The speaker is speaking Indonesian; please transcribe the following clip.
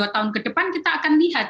dua tahun ke depan kita akan lihat